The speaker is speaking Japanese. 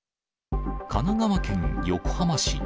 神奈川県横浜市。